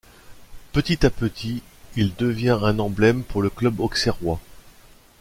Petit à petit il devient un emblème pour le club auxerrois.